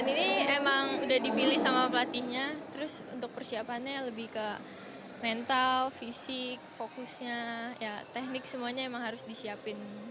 pertandingan ini memang sudah dibilih sama pelatihnya terus untuk persiapannya lebih ke mental fisik fokusnya ya teknik semuanya memang harus disiapin